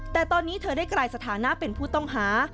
แต่ตอนนี้เธอได้กลายสถานะเป็นผู้ต้องหา